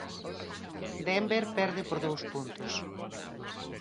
Denver perde por dous puntos.